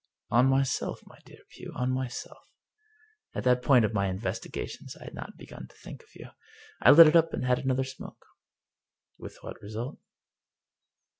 "" On myself, my dear Pugh — on myself! At that point of my investigations I had not begun to think of you. I lit up and had another smoke." "With what result?"